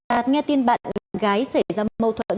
đạt nghe tin bạn gái xảy ra mâu thuẫn